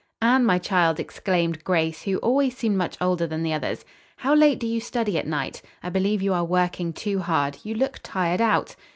"Anne, my child," exclaimed Grace, who always seemed much older than the others, "how late do you study at night? I believe you are working too hard. You look tired out."